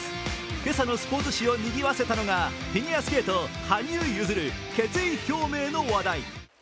今朝のスポーツ紙をにぎわせたのがフィギュアスケートの羽生結弦決意表明の話題。